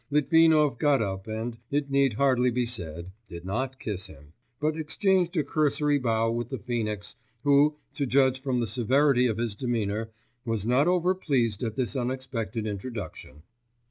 Litvinov got up, and, it need hardly be said, did not kiss him, but exchanged a cursory bow with the phœnix, who, to judge from the severity of his demeanour, was not overpleased at this unexpected introduction.